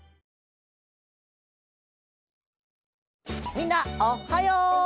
みんなおっはよう！